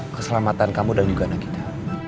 keselamatan kamu dan juga nagita